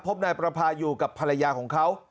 พบนายประพาอยู่กับภรรยาของเขา